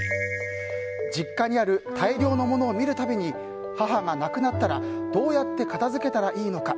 実家にある大量の物を見るたびに母が亡くなったらどうやって片づけたらいいのか